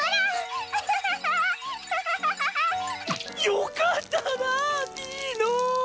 よかったなぁピーノ！